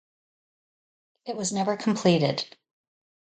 It was never completed.